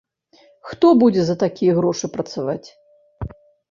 Хто будзе за такія грошы працаваць?